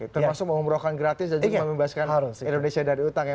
termasuk mengumrahkan gratis dan juga membebaskan indonesia dari utang ya